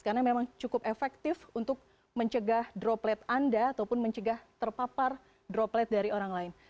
karena memang cukup efektif untuk mencegah droplet anda ataupun mencegah terpapar droplet dari orang lain